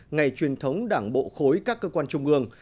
ngày truyền thống đảng bộ khối các cơ quan trung ương